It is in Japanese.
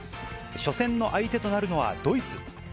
初戦の相手となるのはドイツ。